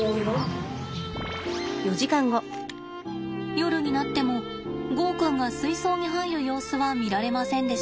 夜になってもゴーくんが水槽に入る様子は見られませんでした。